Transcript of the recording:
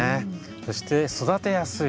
そして育てやすい。